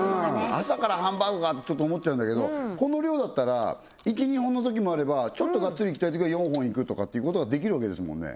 朝からハンバーグかってちょっと思っちゃうんだけどこの量だったら１２本のときもあればちょっとがっつりいきたいときは４本いくとかっていうことができるわけですもんね